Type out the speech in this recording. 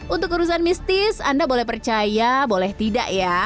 untuk urusan mistis anda boleh percaya boleh tidak ya